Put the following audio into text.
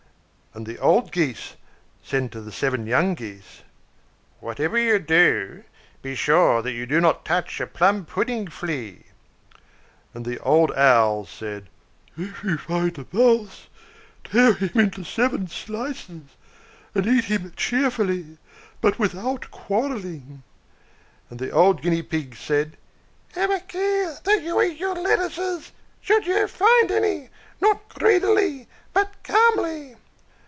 And the old Geese said to the seven young Geese, "Whatever you do, be sure you do not touch a plum pudding flea." And the old Owls said, "If you find a mouse, tear him up into seven slices, and eat him cheerfully, but without quarrelling." And the old Guinea Pigs said, "Have a care that you eat your lettuces, should you find any, not greedily, but calmly."